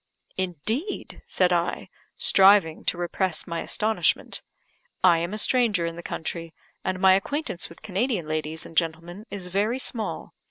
"Indeed!" said I, striving to repress my astonishment. "I am a stranger in the country, and my acquaintance with Canadian ladies and gentlemen is very small.